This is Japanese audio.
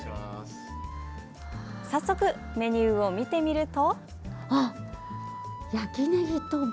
早速、メニューを見てみると。